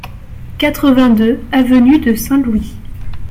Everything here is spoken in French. quatre-vingt-deux avenue de Saint-Louis